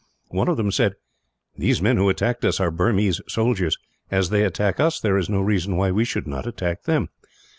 "One of them said, 'These men who attacked us are Burmese soldiers. As they attack us, there is no reason why we should not attack them.'